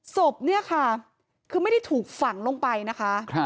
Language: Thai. ศพเนี่ยค่ะคือไม่ได้ถูกฝังลงไปนะคะ